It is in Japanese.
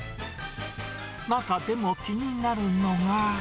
中でも気になるのが。